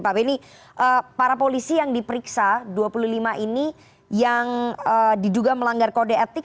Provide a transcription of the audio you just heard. pak benny para polisi yang diperiksa dua puluh lima ini yang diduga melanggar kode etik